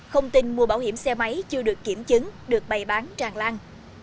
không tin mua bảo hiểm xe máy chưa được kiểm chứng được bày bán tràn lan